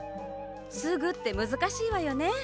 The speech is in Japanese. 「すぐ」ってむずかしいわよね。